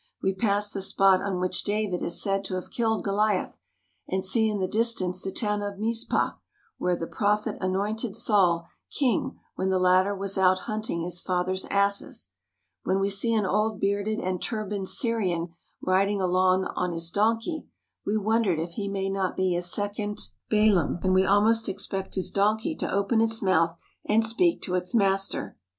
We pass the spot on which David is said to have killed Goliath, and see in the distance the town of Mizpah, where the Prophet anointed Saul king when the latter was out hunting his father's asses. When we see an old bearded and turbaned Syrian riding along on his donkey, we won der if he may not be a second Balaam, and we almost expect his donkey to open its mouth and speak to its master.